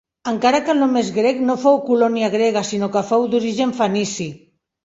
Encara que el nom és grec no fou colònia grega sinó que fou d'origen fenici.